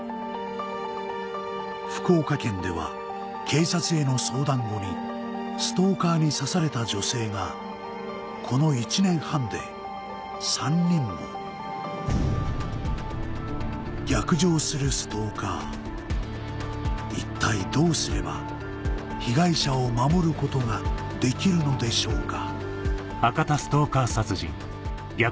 福岡県では警察への相談後にストーカーに刺された女性がこの逆上するストーカー一体どうすれば被害者を守ることができるのでしょうか